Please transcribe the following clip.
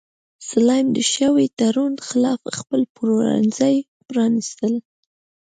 سلایم د شوي تړون خلاف خپل پلورنځي پرانیستل.